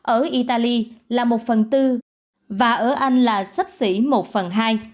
ở italy là một phần bốn và ở anh là sắp xỉ một phần hai